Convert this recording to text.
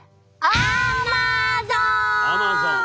アマゾン？